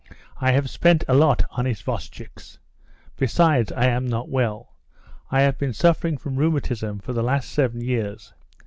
I have spent a lot on isvostchiks. Besides, I am not well. I have been suffering from rheumatism for the last seven years."